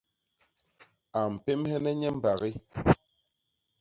A mpémhene nye mbagi.